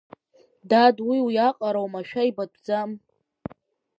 Дад уи уиаҟара омашәа ибатәӡам.